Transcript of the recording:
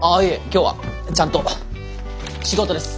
今日はちゃんと仕事です。